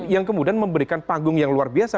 yang kemudian memberikan panggung yang luar biasa